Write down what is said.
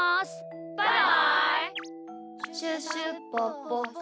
バイバイ！